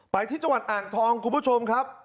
ไปที่จังหวัดอ่างทองคุณผู้ชมครับ